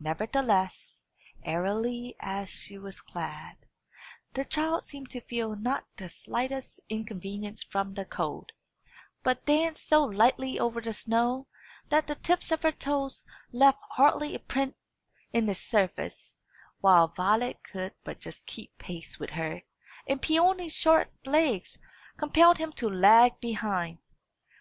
Nevertheless, airily as she was clad, the child seemed to feel not the slightest inconvenience from the cold, but danced so lightly over the snow that the tips of her toes left hardly a print in its surface; while Violet could but just keep pace with her, and Peony's short legs compelled him to lag behind.